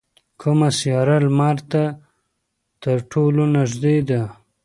کومه سیاره لمر ته تر ټولو نږدې ده؟